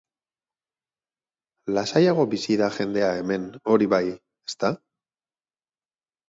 Lasaiago bizi da jendea hemen, hori bai, ezta?